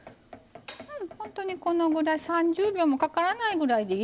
本当にこのぐらい３０秒もかからないぐらいでいいと思いますよ。